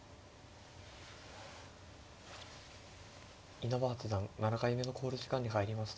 稲葉八段７回目の考慮時間に入りました。